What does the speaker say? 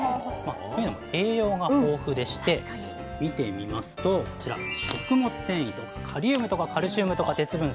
というのも栄養が豊富でして見てみますとこちら食物繊維とかカリウムとかカルシウムとか鉄分。